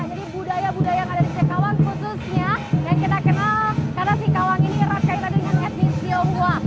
jadi budaya budaya yang ada di singkawang khususnya yang kita kenal karena singkawang ini iras kaya tadi dengan etnis tionghoa